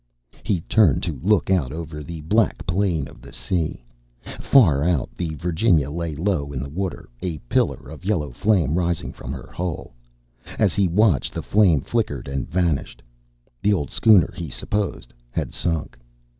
He turned to look out over the black plain of the sea. Far out, the Virginia lay low in the water, a pillar of yellow flame rising from her hull. As he watched, the flame flickered and vanished: the old schooner, he supposed, had sunk.